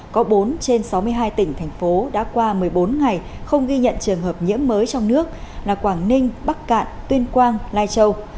có bốn trên sáu mươi hai tỉnh thành phố đã qua một mươi bốn ngày không ghi nhận trường hợp nhiễm mới trong nước là quảng ninh bắc cạn tuyên quang lai châu